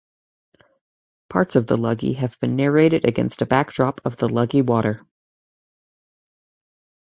Parts of "The Luggie" have been narrated against a backdrop of the Luggie Water.